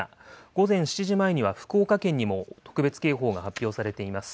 午前７時前には福岡県にも特別警報が発表されています。